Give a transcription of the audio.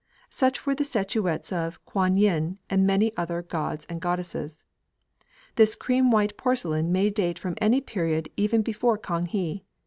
Such were the statuettes of Kwan Yin and many other gods and goddesses. This cream white porcelain may date from any period even before Kang he.